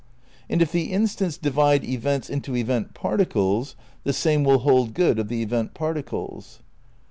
And if the instants divide events into event particles, the same will hold good of the event particles.